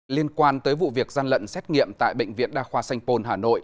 liên quan tới vụ việc gian lận xét nghiệm tại bệnh viện đa khoa sanh pôn hà nội